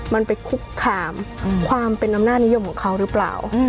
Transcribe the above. มันไปคุกขามความเป็นอำนาจนิยมของเขาหรือเปล่า